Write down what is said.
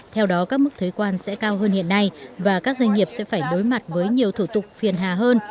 theo đó các mức thuế quan sẽ cao hơn hiện nay và các doanh nghiệp sẽ phải đối mặt với nhiều thủ tục phiền hà hơn